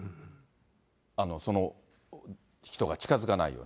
その人が近づかないように。